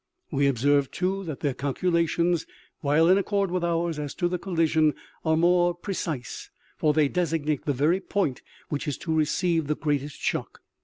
We observe, too, that their calculations, while in accord with ours as to the collision, are more precise, for they designate the very point which is to receive the greatest shock.